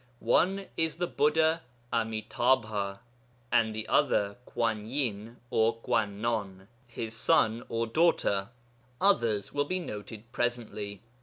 One is the Buddha Ami'tābha, and the other Kuanyin or Kwannon, his son or daughter; others will be noted presently.